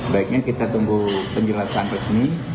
baiknya kita tunggu penjelasan resmi